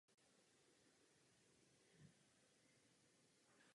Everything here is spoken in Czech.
Zde jsou uvedeny největší světové závody na přepracování použitého jaderného paliva.